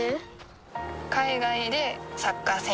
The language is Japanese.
海外でサッカー選手になる